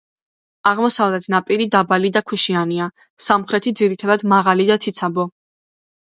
აღმოსავლეთ ნაპირი დაბალი და ქვიშიანია, სამხრეთი ძირითადად მაღალი და ციცაბო.